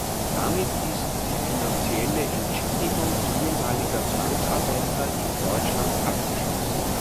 Damit ist die finanzielle Entschädigung ehemaliger Zwangsarbeiter in Deutschland abgeschlossen.